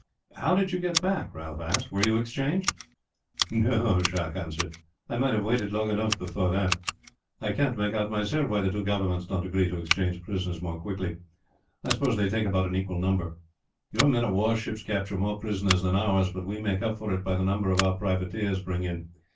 "How did you get back?" Ralph asked. "Were you exchanged?" "No," Jacques answered. "I might have waited long enough before that. I can't make out myself why the two governments don't agree to exchange prisoners more quickly. I suppose they take about an equal number. Your men of war ships capture more prisoners than ours, but we make up for it by the numbers our privateers bring in.